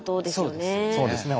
そうですね。